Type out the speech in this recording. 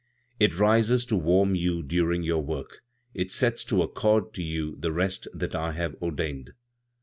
"It rises to warm you during your work; it sets to accord to you the rest that I have ordained.